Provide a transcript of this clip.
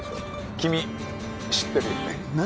君知ってるよねな